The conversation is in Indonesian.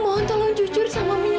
mohon tolong jujur sama mia